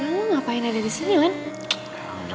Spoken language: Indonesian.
lu ngapain ada di sini len